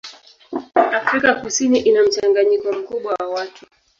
Afrika Kusini ina mchanganyiko mkubwa wa watu.